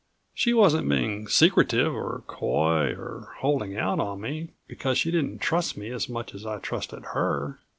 She wasn't being secretive or coy or holding out on me because she didn't trust me as much as I trusted her.